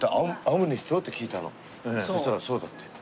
そしたらそうだって。